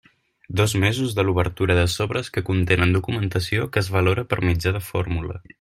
Dos mesos des de l'obertura de sobres que contenen documentació que es valora per mitjà de fórmula.